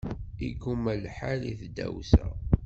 Igumma lhan i tdawsa.